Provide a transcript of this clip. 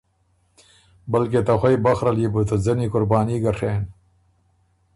بلکې ته خوئ بخره ليې بُو ته ځنی قرباني ګۀ ڒېن۔